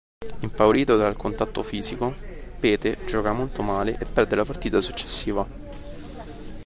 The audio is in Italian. Impaurito dal contatto fisico, Pete gioca molto male e perde la partita successiva.